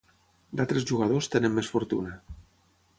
D'altres jugadors tenen més fortuna.